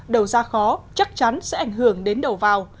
đầu ra khó chắc chắn sẽ ảnh hưởng đến đầu vào